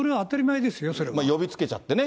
呼びつけちゃってね。